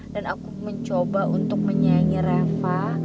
dan aku mencoba untuk menyayangi reva